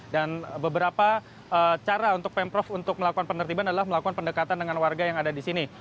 dan beberapa cara untuk pemprov untuk melakukan penertiban adalah melakukan pendekatan dengan warga yang ada di sini